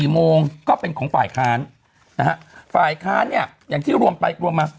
โมงก็เป็นของฝ่ายค้านนะฮะฝ่ายค้านเนี่ยอย่างที่รวมไปรวมมา